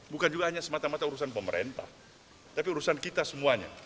bukan juga hanya semata mata urusan pemerintah tapi urusan kita semuanya